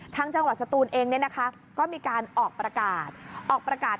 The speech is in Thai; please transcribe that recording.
ทั้งจังหวัดสตูนเองก็มีการออกประกาศ